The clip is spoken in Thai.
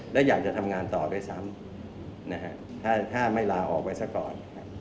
และอยากจะทำงานต่อด้วยซ้ำถ้าไม่ลาออกไปซะก่อน